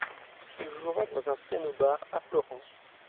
Il jouera dans un piano-bar à Florence.